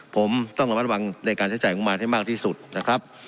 ผมต้องระมัดระวังในการใช้จ่ายงบมารให้มากที่สุดนะครับ